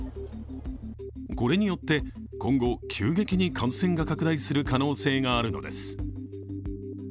これによって今後、急激に感染が拡大する可能性があるのです。